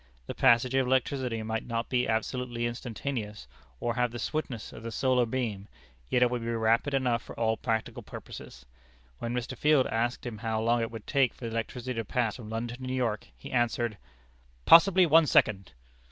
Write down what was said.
The passage of electricity might not be absolutely instantaneous, or have the swiftness of the solar beam, yet it would be rapid enough for all practical purposes. When Mr. Field asked him how long it would take for the electricity to pass from London to New York, he answered: "Possibly one second!"